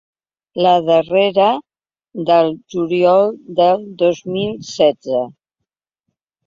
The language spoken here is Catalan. La darrera, del juliol del dos mil setze.